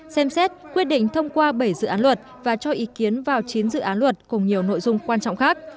xem xét quyết định thông qua bảy dự án luật và cho ý kiến vào chín dự án luật cùng nhiều nội dung quan trọng khác